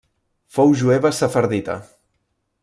Fou jueva sefardita.